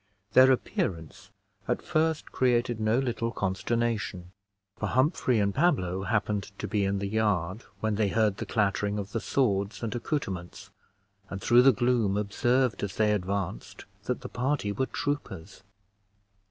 Their appearance at first created no little consternation, for Humphrey and Pablo happened to be in the yard, when they heard the clattering of the swords and accouterments, and through the gloom observed, as they advanced, that the party were troopers.